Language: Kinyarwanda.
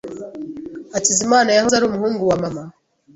Hakizimana yahoze ari umuhungu wa mama.